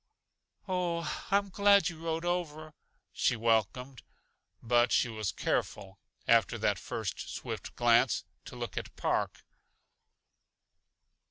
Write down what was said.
"Oh, I'm glad you rode over," she welcomed but she was careful, after that first swift glance, to look at Park.